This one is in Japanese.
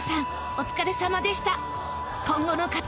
お疲れさまでした